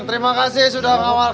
terima kasih yan aku sarah